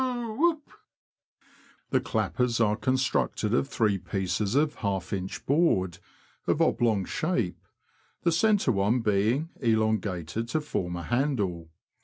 wo !! whoop !!! The clappers are constructed of three pieces of ^in. board, of oblong shape, the centre one being elongated to form a handle.